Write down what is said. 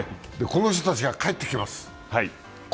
この人たちが帰ってきます。